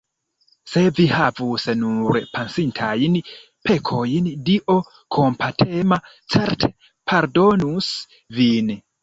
Se vi havus nur pasintajn pekojn, Dio kompatema certe pardonus vin!